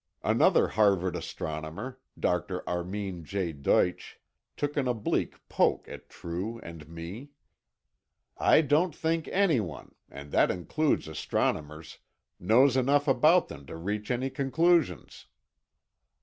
Another Harvard astronomer, Dr. Armin J. Deutsch, took an oblique poke at True and me. "I don't think anyone—and that includes astronomers—knows enough about them to reach any conclusions."